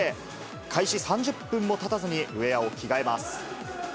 開始３０分もたたずにウエアを着替えます。